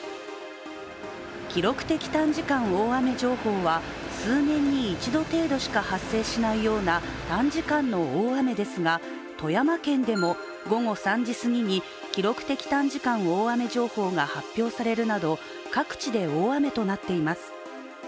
記録的短時間大雨情報は、数年に一度程度しか発生しないような短時間の大雨ですが、富山県でも午後３時すぎに記録的短時間大雨情報が発表されるなど各地で大雨となっています。